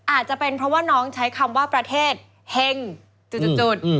อาจจะเป็นเพราะว่าน้องใช้คำว่าประเทศเฮงจุด